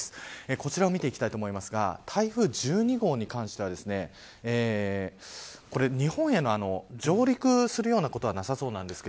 こちらを見ていきたいと思いますが台風１２号に関しては日本への上陸するようなことはなさそうですが。